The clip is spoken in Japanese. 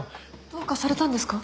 どうかされたんですか？